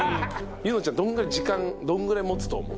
柚乃ちゃん時間どんぐらい持つと思う？